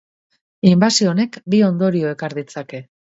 Inbasio honek bi ondorio ekar ditzake.